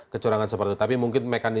kecurangan seperti itu tapi mungkin mekanisme